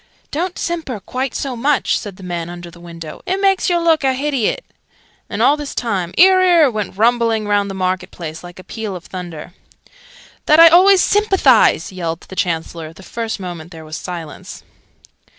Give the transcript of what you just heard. ("Don't simper quite so much!" said the man under the window. "It makes yer look a hidiot!" And, all this time, "'Ear, 'ear!" went rumbling round the market place, like a peal of thunder.) "That I always sympathise!" yelled the Chancellor, the first moment there was silence.